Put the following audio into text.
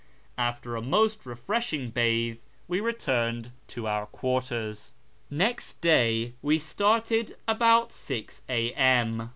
After a most refresli ing bathe, we returned to our quarters. Next day we started about 6 a.m.